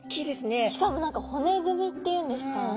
しかも何か骨組みって言うんですか